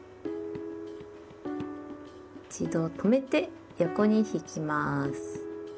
一度止めて横に引きます。